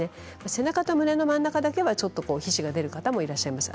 背中と胸の真ん中は皮脂が出る方もいらっしゃいます。